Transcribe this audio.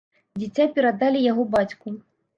Дзіця перадалі яго бацьку.